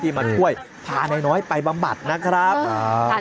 มาช่วยพาน้อยไปบำบัดนะครับ